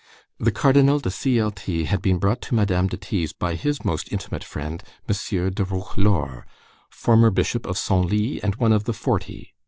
The Cardinal de Cl T had been brought to Madame de T.'s by his most intimate friend, M. de Roquelaure, former Bishop of Senlis, and one of the Forty.